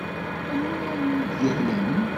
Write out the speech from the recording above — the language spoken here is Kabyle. Anwa ara yi-d-yallen?